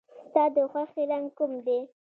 ستا د خوښې رنګ کوم دی؟